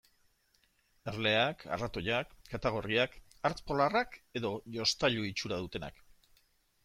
Erleak, arratoiak, katagorriak, hartz polarrak edo jostailu itxura dutenak.